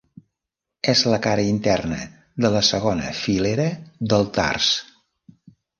És a la cara interna de la segona filera del tars.